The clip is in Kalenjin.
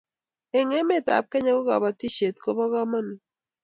Eng' emet ab Kenya ko batishet kobo kamanut